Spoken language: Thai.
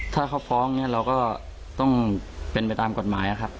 ถ้าเขาฟ้องเนี่ยเราก็ต้องเป็นไปตามกฎหมายครับ